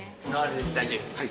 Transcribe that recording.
大丈夫です。